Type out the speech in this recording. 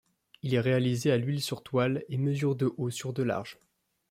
Il est réalisé à l'huile sur toile, et mesure de haut sur de large.